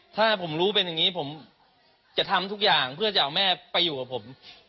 ถ้าผมรู้เป็นอย่างนี้ผมจะทำทุกอย่างเพื่อจะเอาแม่ไปอยู่กับผม